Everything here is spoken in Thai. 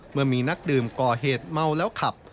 เมื่อมีนักดื่มก่อเหตุเมาแล้วขับ